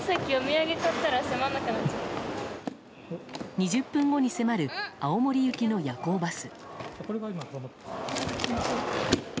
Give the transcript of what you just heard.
２０分後に迫る青森行きの夜行バス。